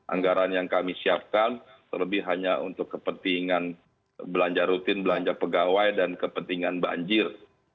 anggaran yang kami siapkan terlebih hanya untuk kepentingan belanja rutin belanja pegawai dan kepentingan banjir